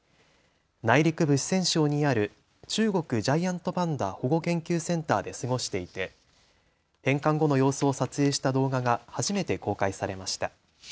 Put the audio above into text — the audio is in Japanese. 内陸部・四川省にある中国ジャイアントパンダ保護研究センターで過ごしていて返還後の様子を撮影した動画が初めて公開されました。